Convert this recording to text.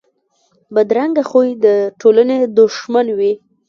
بدرنګه خوی د ټولنې دښمن وي